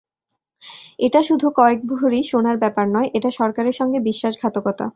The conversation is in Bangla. এটা শুধু কয়েক ভরি সোনার ব্যাপার নয়, এটা সরকারের সঙ্গে বিশ্বাসঘাতকতা।